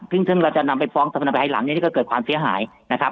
ซึ่งซึ่งเราจะนำไปนำไปทายหลังนี่ก็เกิดความเสียหายนะครับ